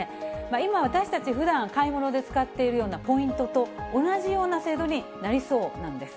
今、私たち、ふだん、買い物で使っているようなポイントと同じような制度になりそうなんです。